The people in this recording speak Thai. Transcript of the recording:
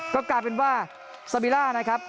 ก็กลายเป็นว่าซาบิล่านะครับ